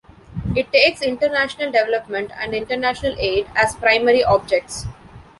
It takes international development and international aid as primary objects.